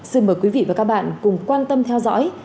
xin mời quý vị và các bạn cùng quan tâm theo dõi